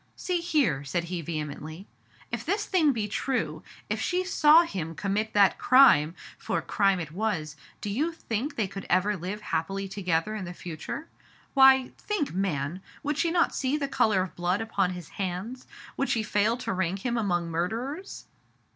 " See here," said he vehemently, '* if this thing be true, if she saw him commit that crime — for crime it was— do you think they could ever live happily together in the future ? Why, think, man, would she not see the color of blood upon his hands, would she fail to rank him among murderers